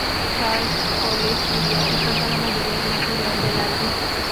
Charles co-escribió y cantó la mayoría del material del álbum.